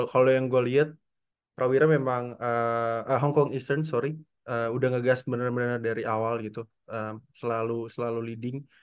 kalau yang gue liat prawira memang hong kong eastern sorry udah ngegas benar benar dari awal gitu selalu leading